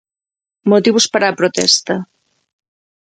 Motivos para a protesta.